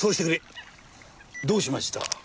どうしました？